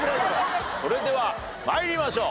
それでは参りましょう。